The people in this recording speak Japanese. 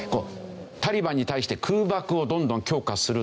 タリバンに対して空爆をどんどん強化するんですね。